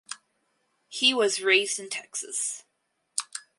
He was raised in Texas.